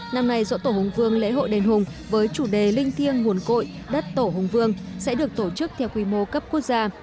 năm nay dỗ tổ hùng vương lễ hội đền hùng với chủ đề linh thiêng nguồn cội đất tổ hùng vương sẽ được tổ chức theo quy mô cấp quốc gia